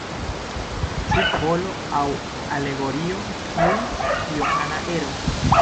Ĉu parabolo aŭ alegorio tiu johana ero?